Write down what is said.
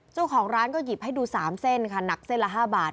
เจ้าของร้านก็หยิบให้ดู๓เศรษฐ์ขาดเป็น๕บาท